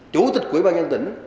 chủ tịch quỹ ban nhân tỉnh